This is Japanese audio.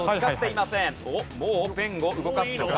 おっもうペンを動かすのか？